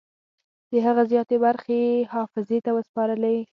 د هغه زیاتې برخې یې حافظې ته وسپارلې.